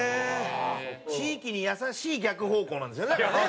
地域に優しい逆方向なんですよねあれね。